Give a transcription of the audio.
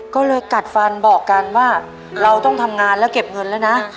ก็เลยกัดฟันบอกกันว่าเราต้องทำงานแล้วเก็บเงินแล้วนะ